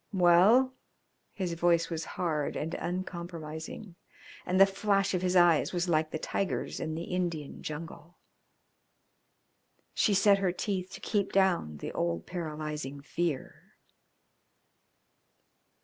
"Well?" His voice was hard and uncompromising, and the flash of his eyes was like the tiger's in the Indian jungle. She set her teeth to keep down the old paralysing fear.